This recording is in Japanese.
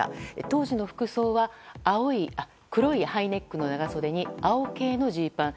当時の服装は黒いハイネックの長袖に青系のジーパン。